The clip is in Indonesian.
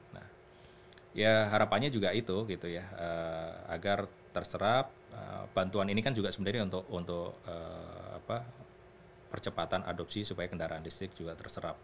nah ya harapannya juga itu gitu ya agar terserap bantuan ini kan juga sebenarnya untuk percepatan adopsi supaya kendaraan listrik juga terserap